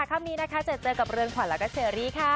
ข้ำนี้นะคะจะเจอกับเรือนขวัดและเฉิร์ริค่ะ